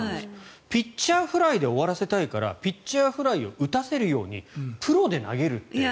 ピッチャーフライで終わらせたいからピッチャーフライで打たせるようにプロで投げるって。